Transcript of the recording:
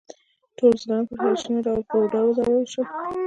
ټول بزګران په وحشیانه ډول په دار وځړول شول.